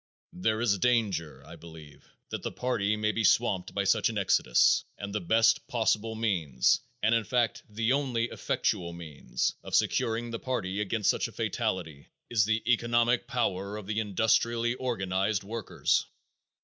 There is danger, I believe, that the party may be swamped by such an exodus and the best possible means and, in fact, the only effectual means of securing the party against such a fatality is the economic power of the industrially organized workers.